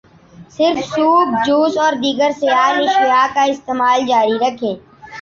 صرف soup, juice, اور دیگر سیال اشیاء کا استعمال جاری رکھیں۔